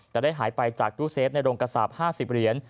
แต่ได้หายไปจากตู้เซฟในโรงกระสาป๕๐เหรียญ